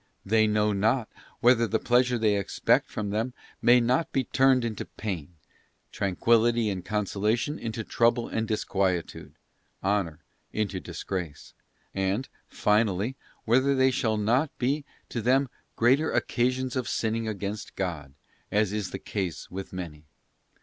They know not whether the pleasure they expect from them may not be turned into pain, tranquillity and consolation into trouble and disquietude, honour into disgrace; and, finally, whether they shall not be to them greater occasions of sinning against God, as is the case with many.